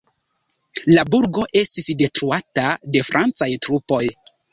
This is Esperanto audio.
La burgo estis detruata de francaj trupoj.